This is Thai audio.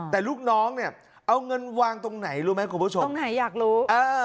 แต่ลูกน้องเนี่ยเอาเงินวางตรงไหนรู้ไหมคุณผู้ชมตรงไหนอยากรู้